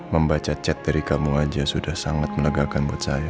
membaca chat dari kamu aja sudah sangat menegakkan buat saya